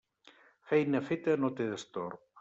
Feina feta no té destorb.